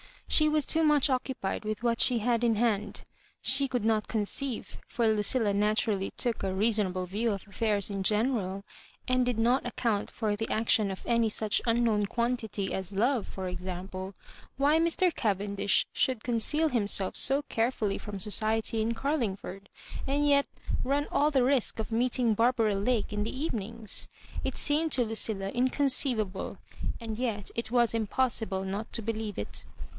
She was too much occupied with what she had in hand. She could not conceive— for Lucilla naturally todk a reasonable view of affairs in general, and did not account for the action of any such un known quantity as love, for example — why Mr. Cavendish should conceal himself so carefully from society in Carlingford, and yet run all the risk of meeting Barbara Lake in the evenings. It seemed to Lucilla inconceivable, and yet it was impossible not to believe it.